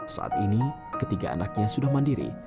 saat ini ketiga anaknya sudah mandiri